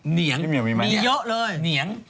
เหนียง